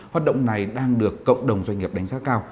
hoạt động này đang được cộng đồng doanh nghiệp đánh giá cao